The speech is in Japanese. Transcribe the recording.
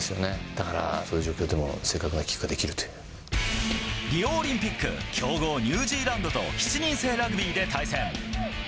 だから、そういう状況でも、リオオリンピック、強豪、ニュージーランドと、７人制ラグビーで対戦。